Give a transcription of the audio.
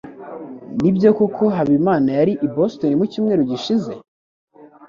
Nibyo koko Habimana yari i Boston mucyumweru gishize?